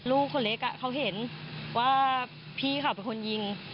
ลูกคนเล็กเขาเห็นว่าพี่เขาเป็นคนยิง